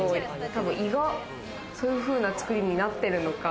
多分、胃がそういうふうな作りなってるのか。